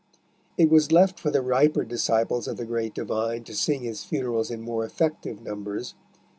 It was left for the riper disciples of the great divine to sing his funerals in more effective numbers.